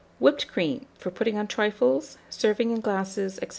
WHIPPED CREAM, for putting on Trifles, serving in Glasses, &c.